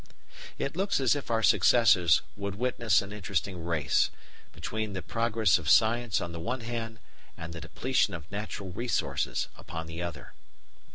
It looks as if our successors would witness an interesting race, between the progress of science on the one hand and the depletion of natural resources upon the other.